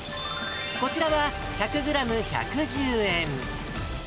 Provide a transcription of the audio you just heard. こちらは１００グラム１１０円。